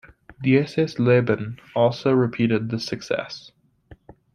"Dieses Leben" also repeated this success.